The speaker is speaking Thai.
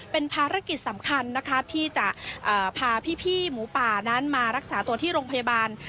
เป็นภารกิจสำคัญนะคะที่จะพาพี่หมูป่านั้นมารักษาตัวที่โรงพยาบาล